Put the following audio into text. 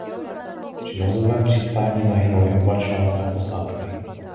Při nouzovém přistání zahynuli oba členové osádky.